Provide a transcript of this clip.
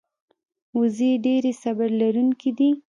وزې ډېرې صبر لرونکې دي